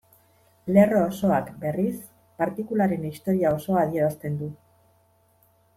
Lerro osoak berriz, partikularen historia osoa adierazten du.